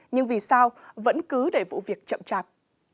nhưng vì sao vẫn cứ để vụ việc chậm chạp